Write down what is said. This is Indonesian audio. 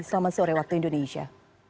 selamat sore waktu indonesia